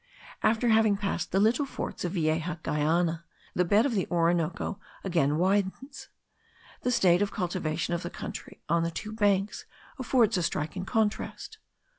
After having passed the little forts of Vieja Guayana, the bed of the Orinoco again widens. The state of cultivation of the country on the two banks affords a striking contrast.